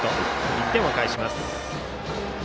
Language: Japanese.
１点を返します。